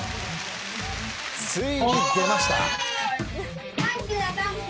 ついに出ました！